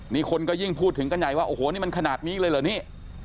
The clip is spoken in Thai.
นี่คนก็ยิ่งพูดถึงกันใหญ่ว่าโอ้โหนี่มันขนาดนี้เลยเหรอนี่